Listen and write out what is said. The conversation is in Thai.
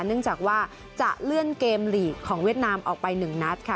เนื่องจากว่าจะเลื่อนเกมลีกของเวียดนามออกไป๑นัดค่ะ